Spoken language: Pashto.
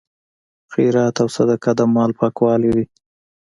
خیرات او صدقه د مال پاکوالی دی.